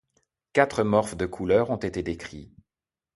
Quatre morphes de couleur ont été décrits.